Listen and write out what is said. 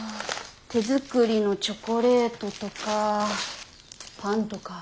手作りのチョコレートとかパンとか。